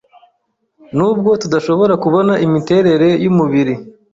Nubwo tudashobora kubona imiterere yumubiri